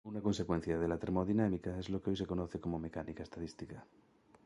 Una consecuencia de la termodinámica es lo que hoy se conoce como mecánica estadística.